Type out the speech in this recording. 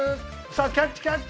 さあキャッチキャッチ！